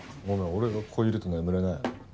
俺がここにいると眠れないよね。